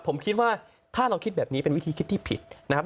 ผมคิดว่าถ้าเราคิดแบบนี้เป็นวิธีคิดที่ผิดนะครับ